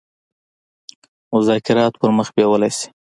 مذاکرات پر مخ بېولای سي.